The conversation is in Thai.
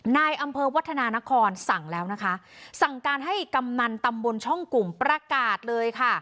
นายอำเภอวัฒนานครสั่งแล้วนะคะสั่งการให้กำนันตำบลช่องกลุ่มประกาศเลยค่ะ